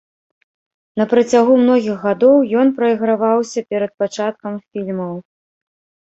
На працягу многіх гадоў ён прайграваўся перад пачаткам фільмаў.